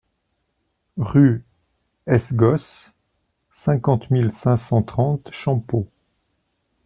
Rue es Gosse, cinquante mille cinq cent trente Champeaux